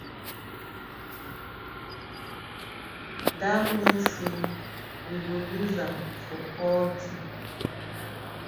Dat mean say we go use am for all tin.